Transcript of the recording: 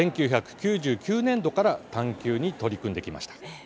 １９９９年度から「探究」に取り組んできました。